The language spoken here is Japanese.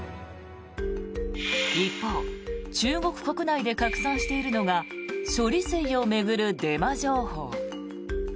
一方中国国内で拡散しているのが処理水を巡るデマ情報。